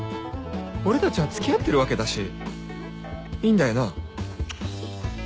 俺たちは付き合ってるわけだしいいんだよな？